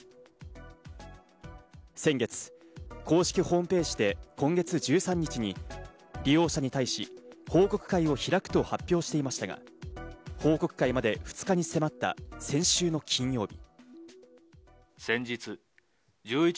先月、公式ホームページで今月１３日に利用者に対し、報告会を開くと発表していましたが、報告会まで２日に迫った先週の金曜日。